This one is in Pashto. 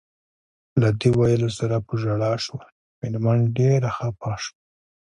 له دې ویلو سره په ژړا شول، مېرمن ډېره خپه شوه.